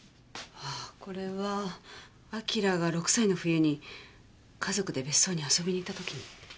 あっこれは輝が６歳の冬に家族で別荘に遊びに行った時に。